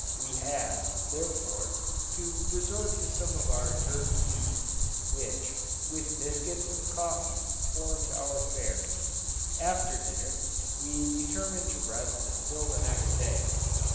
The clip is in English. We had, therefore, to resort to some of our jerked beef, which, with biscuits and coffee, formed our fare. After dinner, we determined to rest until the next day.